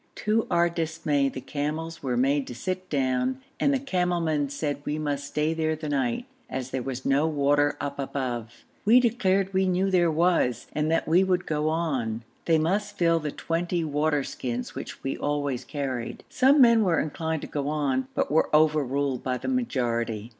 To our dismay the camels were made to sit down and the camel men said we must stay there the night, as there was no water up above. We declared we knew there was, and that we would go on; they must fill the twenty water skins which we always carried. Some men were inclined to go on, but were overruled by the majority.